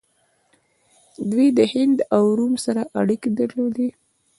دوی د هند او روم سره اړیکې درلودې